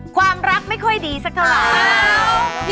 ความรักไม่ค่อยดีสักเท่าไหร่